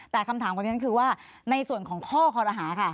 แต่คำถามของฉันคือว่าในส่วนของข้อคอรหาค่ะ